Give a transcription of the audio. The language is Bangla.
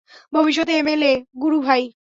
ভবিষ্যত এমএলএ, গুরু ভাই!